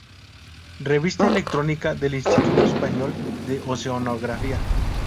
Revista electrónica del instituto español de oceanografía.